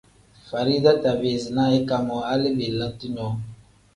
Farida tabiizi na ika moo hali belente nyoo.